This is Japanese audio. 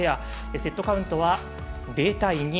セットカウントは０対２。